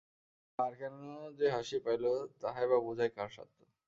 আর, কেন যে হাসি পাইল তাহাই বা বুঝায় কাহার সাধ্য।